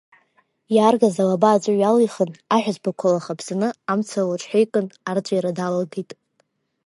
Иааргаз алаба аҵәы ҩалихын, аҳәызбақәа лахаԥсаны амца илыҽҳәеикын, арҵәира далагеит.